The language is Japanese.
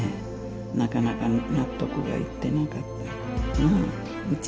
なかなか納得がいってなかったっていうかな。